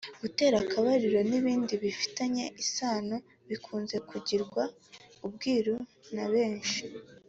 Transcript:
gutera akabariro n’ibindi bifitanye isano bikunze kugirwa ubwiru na benshi